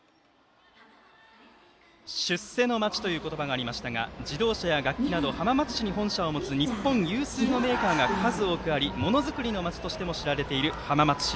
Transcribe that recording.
「出世の街」という言葉がありましたが自動車や楽器など日本有数のメーカーも数多くありものづくりの街としても知られている浜松市。